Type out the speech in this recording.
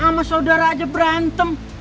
sama saudara aja berantem